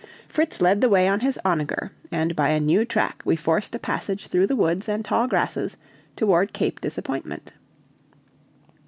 Fritz led the way on his onager, and by a new track we forced a passage through the woods and tall grasses toward Cape Disappointment.